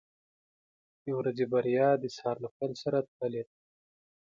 • د ورځې بریا د سهار له پیل سره تړلې ده.